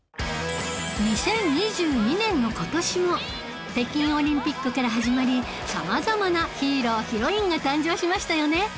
２０２２年の今年も北京オリンピックから始まり様々なヒーロー＆ヒロインが誕生しましたよね